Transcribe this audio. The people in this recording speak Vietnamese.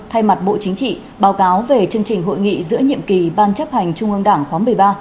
thay mặt bộ chính trị báo cáo về chương trình hội nghị giữa nhiệm kỳ ban chấp hành trung ương đảng khóa một mươi ba